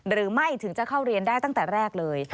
หรือไม่ถึงจะเข้าเรียนได้ตั้งแต่แรกเลย